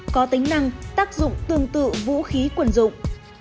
có tính năng tác dụng tương tự vũ khí quần dụng